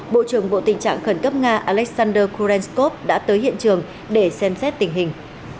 bộ trưởng bộ tình trạng khẩn cấp nga alexander kurenskov đã tới hiện trường để xem xét tình hình